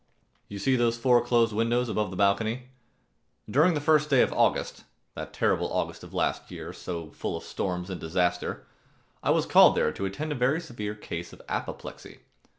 You see those four closed windows above the balcony? During the first day of August, that terrible August of last year, so full of storms and disaster, I was called there to attend a very severe case of apoplexy.